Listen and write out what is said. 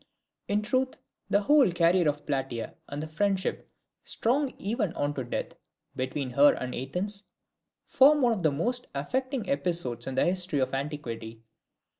In truth, the whole career of Plataea, and the friendship, strong even unto death, between her and Athens, form one of the most affecting episodes in the history of antiquity.